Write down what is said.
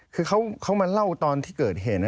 คือเขามาเล่าตอนที่เกิดเหตุ